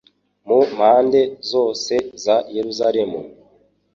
mu mpande zose za Yeruzalemu